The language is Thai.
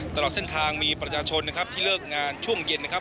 ตลอดเส้นทางมีประชาชนนะครับที่เลิกงานช่วงเย็นนะครับ